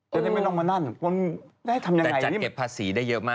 จะได้ไม่ต้องมานั่นจะได้ทำอย่างไรอย่างนี้